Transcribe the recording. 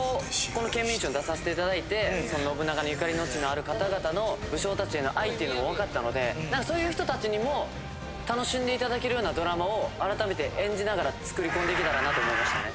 この『ケンミンＳＨＯＷ』に出させていただいて信長のゆかりの地のある方々の武将達への愛っていうのも分かったので何かそういう人達にも楽しんでいただけるようなドラマを改めて演じながら作り込んでいけたらなと思いましたね。